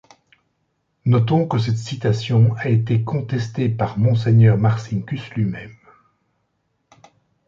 Notons que cette citation a été contestée par Monseigneur Marcinkus lui-même.